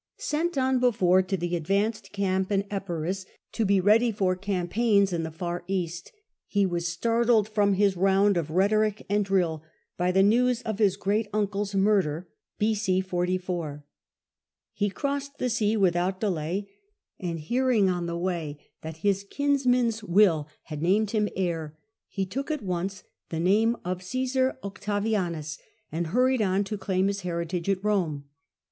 Sent on before to the advanced B The Earlier Empire, B.C. 44 31 % camp in Epirus, to be ready for campaigns in the far East, he was startled from his round of rhetoric and drill by the news of his great uncle's murder. He crossed the sea without delay ; and hearing on his way that his kinsman's will had named him heir, he took at once the name, of Caesar Octavianus, and hurried on to claim his heritage at Rome.